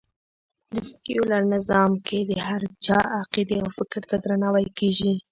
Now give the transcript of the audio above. په سکیولر نظام کې د هر چا عقېدې او فکر ته درناوی کېږي